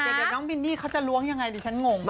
แต่น้องมินนี่เขาจะล้วงยังไงดิฉันงง